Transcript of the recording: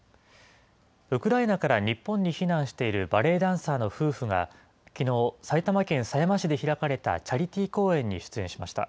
ウクライナから日本に避難しているバレエダンサーの夫婦がきのう、埼玉県狭山市で開かれたチャリティー公演に出演しました。